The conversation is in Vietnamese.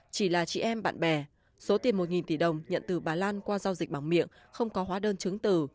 chỉ là chị em bạn bè số tiền một tỷ đồng nhận từ bà lan qua giao dịch bằng miệng không có hóa đơn chứng từ